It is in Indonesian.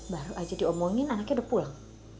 baru aja diomongin anaknya udah pulang